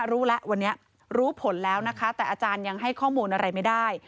รู้แล้ววันนี้รู้ผลแล้วนะคะแต่อาจารย์ยังให้ข้อมูลอะไรไม่ได้